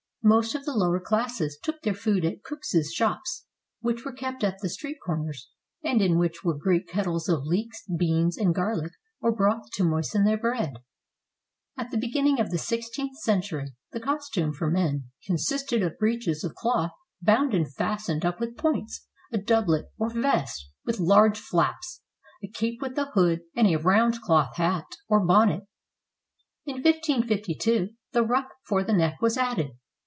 Most of the lower classes took their food at cooks' shops, which were kept at the street corners, and in which were great kettles of leeks, beans, and garlic, or broth to moisten their bread. At the beginning of the sixteenth century, the cos tume for men "consisted of breeches of cloth bound and fastened up with points; a doublet, or vest, with large flaps; a cape with a hood; and a round cloth hat, or bonnet." In 1552 the ruff for the neck was added.